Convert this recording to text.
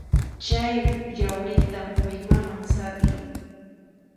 Chay yawrita willmaman sat'iy.